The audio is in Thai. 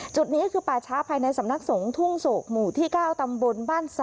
จุดนี้คือป่าช้าภายในสำนักสงฆ์ทุ่งโศกหมู่ที่๙ตำบลบ้าน๓